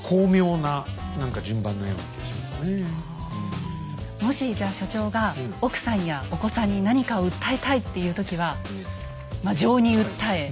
ほんとにもしじゃ所長が奥さんやお子さんに何かを訴えたいっていう時はまあ情に訴え。